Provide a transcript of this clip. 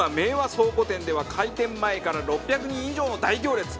倉庫店では開店前から６００人以上の大行列。